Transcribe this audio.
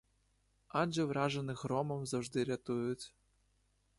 Адже вражених громом завжди рятують.